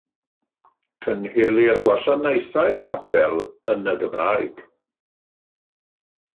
Cynhelir gwasanaethau'r capel yn y Gymraeg.